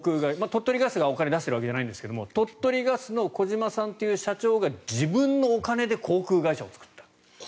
鳥取ガスがお金を出しているわけじゃないんですが鳥取ガスの児嶋さんという社長が自分のお金で個人？